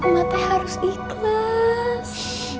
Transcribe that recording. matanya harus ikhlas